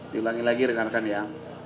diulangi lagi rekan rekan ya